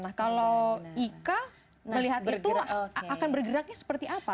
nah kalau ika melihat itu akan bergeraknya seperti apa